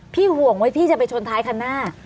ห่วงว่าพี่จะไปชนท้ายคันหน้า